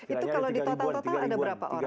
itu kalau ditata tata ada berapa orang